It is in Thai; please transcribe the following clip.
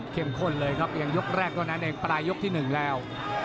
เข้มข้นเลยครับถึงยกแรกต่อนั้นเองปลายยกที่๑แล้ว